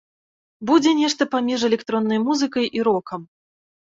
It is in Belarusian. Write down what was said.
Будзе нешта паміж электроннай музыкай і рокам.